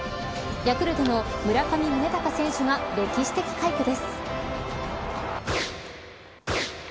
ヤクルトの村上宗隆選手が歴史的快挙です。